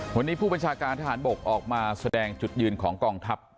วันนี้ผู้บัญชาการทหารบกออกมาแสดงจุดยืนของกองทัพ